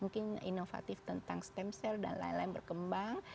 mungkin inovatif tentang stem cell dan lain lain berkembang